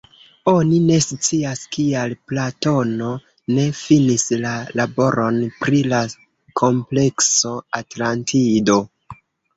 Oni ne scias, kial Platono ne finis la laboron pri la komplekso Atlantido.